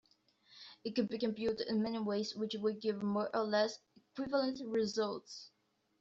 It could be computed in many ways which would give more or less equivalent results.